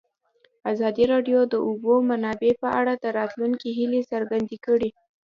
ازادي راډیو د د اوبو منابع په اړه د راتلونکي هیلې څرګندې کړې.